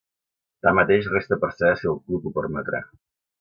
Tanmateix, resta per a saber si el club ho permetrà.